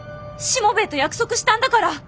しもべえと約束したんだから！